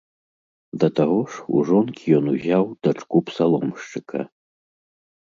Да таго ж у жонкі ён узяў дачку псаломшчыка.